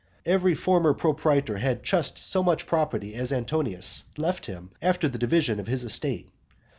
Every former proprietor had just so much property as Antonius left him after the division of his estate.